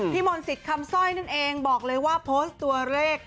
มนต์สิทธิ์คำสร้อยนั่นเองบอกเลยว่าโพสต์ตัวเลข